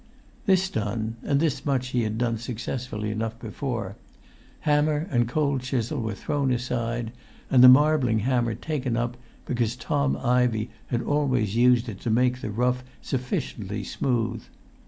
This done (and this much he had done successfully enough before), hammer and cold chisel were thrown aside, and the marbling hammer taken up, because Tom Ivey had always used it to make the rough sufficiently smooth.